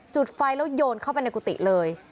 จุดไฟแล้วโยนเข้าไปในกุฏิเลย